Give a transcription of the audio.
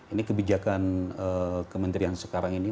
ini kebijakan kementerian sekarang ini